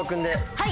はい！